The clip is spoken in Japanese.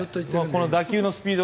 この打球のスピード。